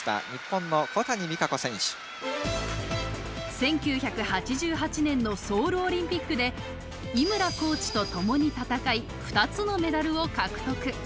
１９８８年のソウルオリンピックで井村コーチとともに戦い２つのメダルを獲得。